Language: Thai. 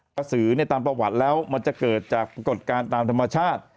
สือตามประวัติแล้วมันจะเกิดจากปรากฏการณ์ตามธรรมชาติ